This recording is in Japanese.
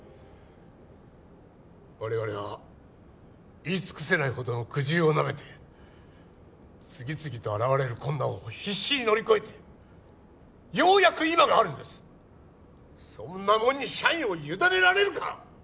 我々は言い尽くせないほどの苦汁をなめて次々と現れる困難を必死に乗り越えてようやく今があるんですそんなもんに社員を委ねられるか！